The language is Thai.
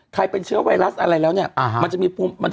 ใครเป็นเชื้อไวรัสอะไรแล้วเนี่ย